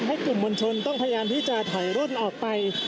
กลุ่มมวลชนต้องพยายามที่จะถอยร่นออกไป